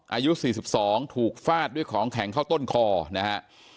อายุ๔๒ถูกฟาดด้วยของแข็งเข้าต้นคอนะฮะ